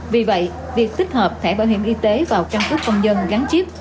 vì vậy việc tích hợp thẻ bảo hiểm y tế vào căn cứ công dân gắn chip